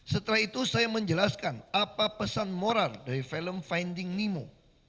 setelah itu saya menjelaskan apa pesan moral dari film finding nemo